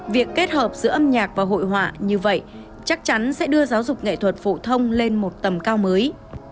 việc kết hợp giữa âm nhạc và hội họa như vậy chắc chắn sẽ đưa giáo dục nghệ thuật phổ thông lên một tầm cao mới